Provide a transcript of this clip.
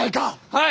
はい！